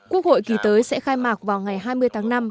quốc hội kỳ tới sẽ khai mạc vào ngày hai mươi tháng năm